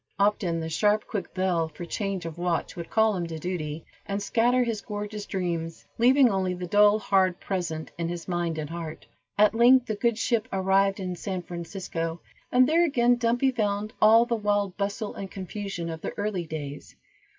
Often the sharp quick bell, for change of watch, would call him to duty, and scatter his gorgeous dreams, leaving only the dull, hard present in his mind and heart. At length the good ship arrived in San Francisco, and there again Dumpy found all the wild bustle and confusion of the early days.